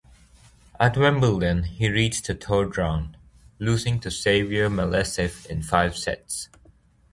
At Wimbledon, he reached the third round, losing to Xavier Malisse in five sets.